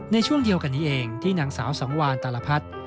ในช่วงเดียวกันนี้เองที่นางสาวสังวานตาลพัฒน์